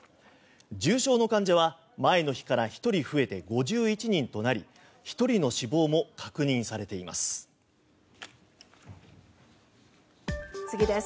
重症の患者は前の日から１人増えて５１人となり１人の死亡も確認されています。